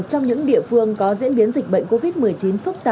ra ngoài với lý do đi bắt ốc